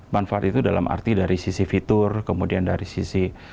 manfaat itu dalam arti dari sisi fitur kemudian dari sisi